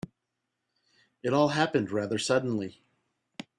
It all happened rather suddenly.